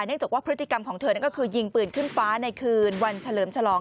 จากว่าพฤติกรรมของเธอนั่นก็คือยิงปืนขึ้นฟ้าในคืนวันเฉลิมฉลอง